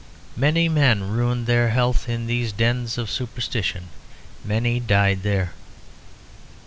Many men ruined their health in these dens of superstition, many died there.